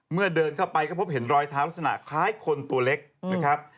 เดินเข้าไปก็พบเห็นรอยเท้าลักษณะคล้ายคนตัวเล็กนะครับ